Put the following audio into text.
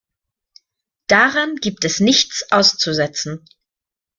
Daran gibt es nichts auszusetzen.